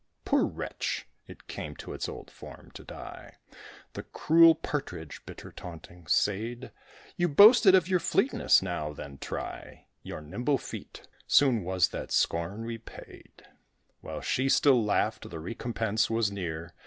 Poor wretch! it came to its old form to die. The cruel Partridge, bitter taunting, said, "You boasted of your fleetness; now, then, try Your nimble feet." Soon was that scorn repaid: While she still laughed, the recompense was near.